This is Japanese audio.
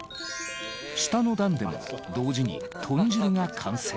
下の段でも同時に豚汁が完成。